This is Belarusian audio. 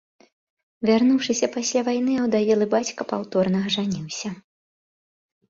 Вярнуўшыся пасля вайны, аўдавелы бацька паўторна ажаніўся.